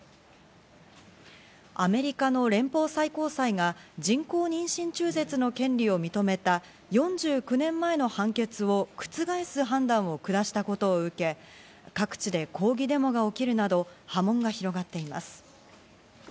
アメリカの連邦最高裁が人工妊娠中絶の権利を認めた４９年前の判決を覆す判断を下したことを受け、各地で抗議デモが起きるなど波紋が広がっています。